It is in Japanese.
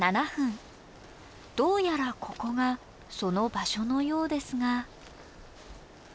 どうやらここがその場所のようですが。